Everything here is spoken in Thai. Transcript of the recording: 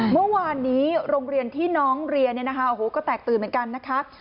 เมื่อวานนี้โรงเรียนที่น้องเรียนโอ้โฮก็แตกตื่นเหมือนกัน